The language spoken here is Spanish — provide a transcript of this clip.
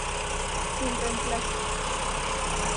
Sin reemplazo.